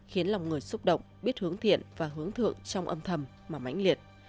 khiến lòng người xúc động biết hướng thiện và hướng thượng trong âm thầm mà mãnh liệt